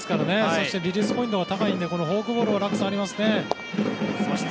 そしてリリースポイントが高いのでフォークボールは落差があります。